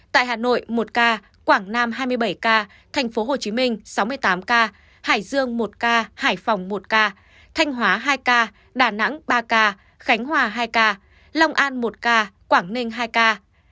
tại hà nội một ca quảng nam hai mươi bảy ca tp hcm sáu mươi tám ca hải dương một ca hải phòng một ca thanh hóa hai ca đà nẵng ba ca khánh hòa hai ca long an một ca quảng ninh hai ca